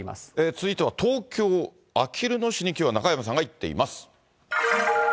続いては、東京・あきる野市にきょうは中山さんが行っています。